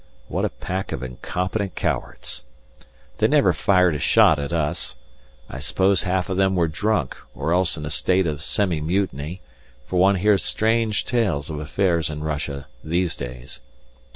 What a pack of incompetent cowards! They never fired a shot at us. I suppose half of them were drunk or else in a state of semi mutiny, for one hears strange tales of affairs in Russia these days.